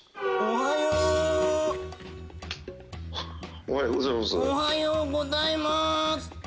おはよございます。